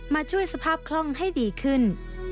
มาช่วยสภาพคล่องให้ดีขึ้น